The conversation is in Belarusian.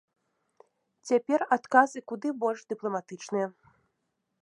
Цяпер адказы куды больш дыпламатычныя.